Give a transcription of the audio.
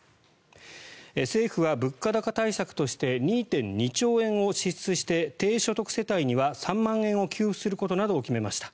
政府は物価高対策として２．２兆円を支出して低所得世帯には３万円を給付することなどを決めました。